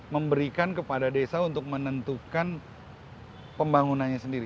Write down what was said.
memberikan kepada desa untuk menentukan pembangunannya sendiri